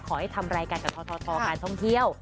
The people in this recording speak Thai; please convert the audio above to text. ขอให้ทำรายการของท่องเที่ยว